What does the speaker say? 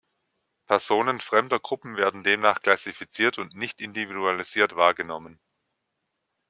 Personen fremder Gruppen werden demnach klassifiziert und nicht individualisiert wahrgenommen.